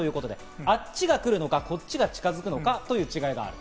あっちが来るのか、こっちが近づくのかという違いがある。